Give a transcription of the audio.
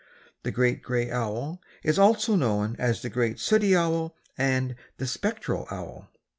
The Great Gray Owl is also known as the Great Sooty Owl and the Spectral Owl.